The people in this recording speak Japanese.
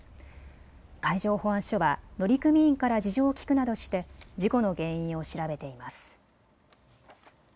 海上保安署は乗組員から事情を聞くなどして事故の原因を調べています。